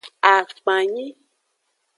Akpanyi.